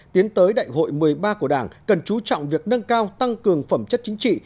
tiến tới đại hội một mươi ba của đảng cần chú trọng việc nâng cao tăng cường phẩm chất chính trị